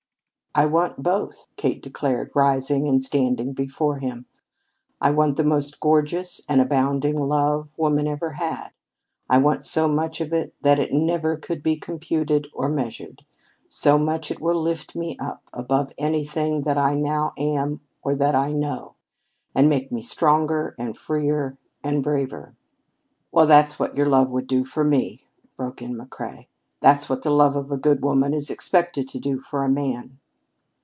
"I want both," Kate declared, rising and standing before him. "I want the most glorious and abounding love woman ever had. I want so much of it that it never could be computed or measured so much it will lift me up above anything that I now am or that I know, and make me stronger and freer and braver." "Well, that's what your love would do for me," broke in McCrea. "That's what the love of a good woman is expected to do for a man."